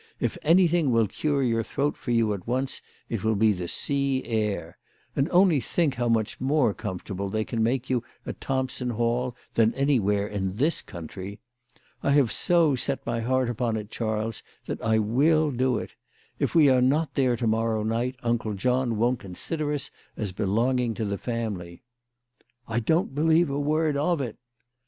If anything will cure your throat for you at once it will be the sea air. And only think how much more comfortable they can make you at Thompson Hall than anywhere in this country. I have so set my heart upon it, Charles, that I will do it. If we are not there to morrow night Uncle John won't consider us as belonging to the family." " I don't believe a word of it."